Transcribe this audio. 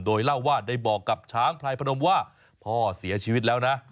โดยเล่าว่าได้บอกกับช้างพลายพนมว่าพ่อเสียชีวิตแล้วนะ